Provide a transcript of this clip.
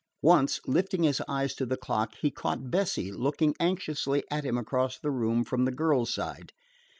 Once, lifting his eyes to the clock, he caught Bessie looking anxiously at him across the room from the girls' side.